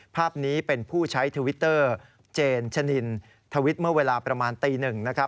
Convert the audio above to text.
ภาพนี้เป็นผู้ใช้ทวิตเตอร์เจนชะนินทวิตเมื่อเวลาประมาณตีหนึ่งนะครับ